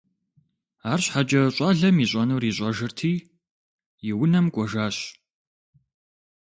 АрщхьэкӀэ щӀалэм ищӀэнур ищӀэжырти, и унэм кӀуэжащ.